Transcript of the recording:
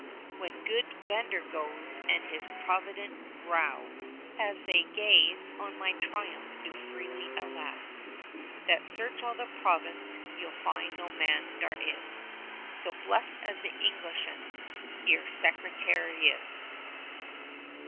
When good Vandergoes and his provident vrow, As they gaze on my triumph do freely allow, That, search all the province, you'll find no man dar is 25 So blest as the Englishen Heer Secretar' is.